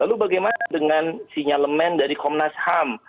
lalu bagaimana dengan sinyalemen dari komnas ham